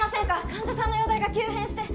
患者さんの容体が急変して。